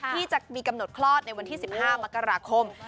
ที่จะมีกำหนดคลอดในวันที่๑๕มกราคม